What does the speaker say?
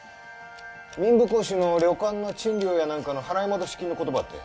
民部公子の旅館の賃料やなんかの払い戻し金のことばってん。